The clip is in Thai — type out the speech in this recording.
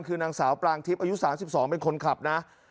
คือนางสาวปลางทิพย์อายุสามสิบสองเป็นคนขับน่ะ